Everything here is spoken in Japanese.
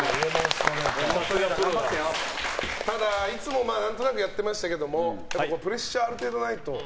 ただいつも何となくやってましたけどプレッシャーがある程度ないと。